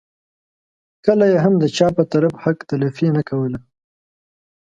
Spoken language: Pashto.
کله یې هم د چا په طرف حق تلفي نه کوله.